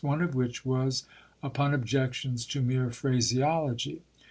one of which was upon objections to mere phrase ology.